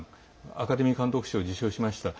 アカデミー賞を受賞しました。